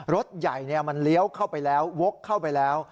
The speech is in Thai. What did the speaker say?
รถใหญ่มันเลี้ยวเข้าไปแล้ววกเข้าไปแล้ว